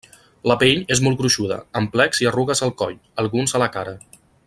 La pell és molt gruixuda, amb plecs i arrugues al coll, alguns a la cara.